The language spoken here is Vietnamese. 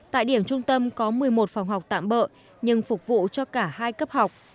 tại điểm trung tâm có một mươi một phòng học tạm bợ nhưng phục vụ cho cả hai cấp học